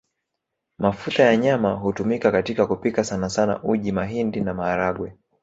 Mafuta ya nyama hutumika katika kupika sanasana uji mahindi na maharagwe